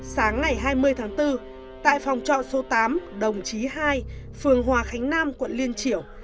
sáng ngày hai mươi tháng bốn tại phòng trọ số tám đồng chí hai phường hòa khánh nam quận liên triểu